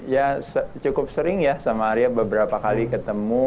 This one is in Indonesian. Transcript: ya cukup sering ya sama arya beberapa kali ketemu